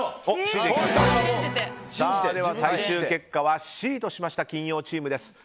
最終結果はＣとしました金曜チームです。